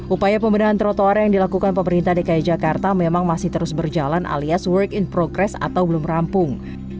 upaya pembenahan trotoar yang dilakukan pemerintah dki jakarta memang masih terus berjalan alias work in progress atau belum rampung